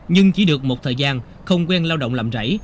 nhưng chỉ được một thời gian không quen lao động làm rảy